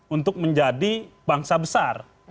untuk menjadi bangsa besar